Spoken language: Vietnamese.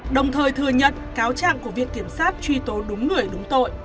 đồng thời thừa nhận cáo trạng của viện kiểm sát truy tố đúng người đúng tội